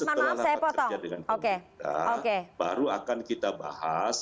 setelah rapat kerja dengan pemerintah baru akan kita bahas